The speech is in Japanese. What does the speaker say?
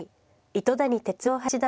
糸谷哲郎八段。